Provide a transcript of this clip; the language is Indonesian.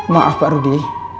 maaf pak rudi